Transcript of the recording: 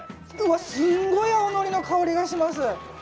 すごい青のりの香りがします。